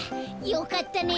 よかったね。